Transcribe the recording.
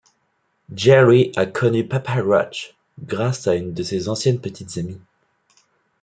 Jerry a connu Papa Roach, grâce à une de ses anciennes petites amies.